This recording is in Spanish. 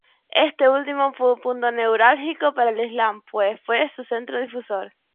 Este último fue un punto neurálgico para el islam, pues fue su centro difusor.